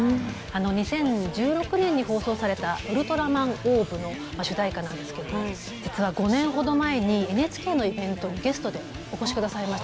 ２０１６年に放送されたウルトラマンオーブの主題歌なんですけども５年ほど前にＮＨＫのイベントにゲストでお越しくださいました。